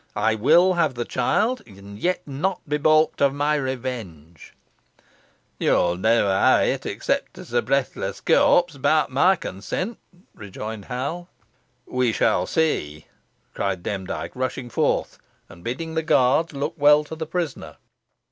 I will have the child, and yet not be baulked of my revenge." "Yo'n never ha' it, except os a breathless corpse, 'bowt mey consent," rejoined Hal. "We shall see," cried Demdike, rushing forth, and bidding the guards look well to the prisoner.